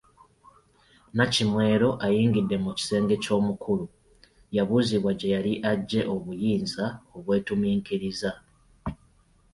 Nnakimwero ayingidde mu kisenge ky’omukulu yabuuzibwa gye yali aggye obuyinza obwetuminkiriza.